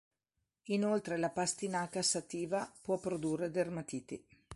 Inoltre, la "Pastinaca sativa" può produrre dermatiti.